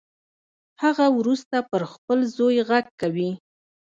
هغه وروسته پر خپل زوی غږ کوي